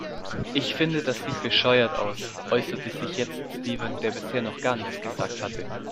Ich finde, das sieht bescheuert aus, äußerte sich jetzt Steven, der bisher noch gar nichts gesagt hatte.